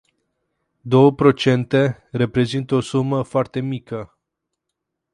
Două procente reprezintă o sumă foarte mică.